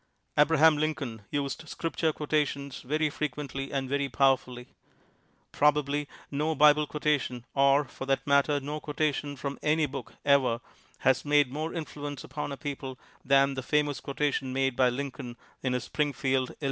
Abraham Lincoln used scripture quotations very fre c[uently and very powerfully. Probably no Bible quotation, or, for that matter, no quotation from any book ever has had more influence upon a I)eople than the famous quotation made by Lin coln in his Springfield (111.)